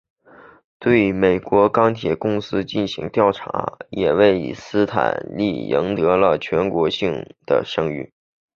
对美国钢铁公司进行的调查也为斯坦利赢得了全国性的声誉。